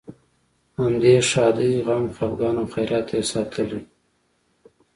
همدې ښادۍ، غم، خپګان او خیرات ته یې ساتلې.